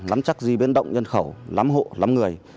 lắm chắc di biến động nhân khẩu lắm hộ lắm người